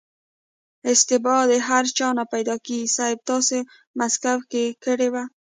اشتبا د هر چا نه کېږي صيب تاسې مسکو کې کړې وه.